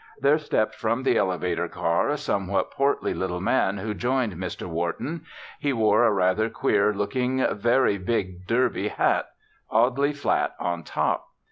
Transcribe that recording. There stepped from the elevator car a somewhat portly little man who joined Mr. Wharton. He wore a rather queer looking, very big derby hat, oddly flat on top.